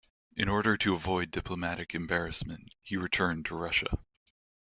In order to avoid diplomatic embarrassment he returned to Russia.